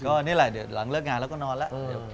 ก็นี่แหละเดี๋ยวหลังเลิกงานแล้วก็นอนแล้ว